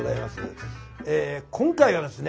今回はですね